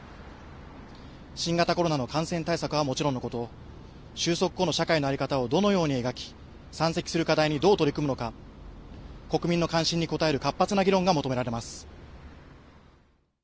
新型コロナの感染対策はもちろんのこと、収束後の社会の在り方をどのように描き、山積する課題にどう取り組むのか国民の関心に応える活発な議論が求められます。